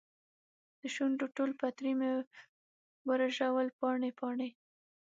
دشونډو ټول پتري مې ورژول پاڼې ، پاڼې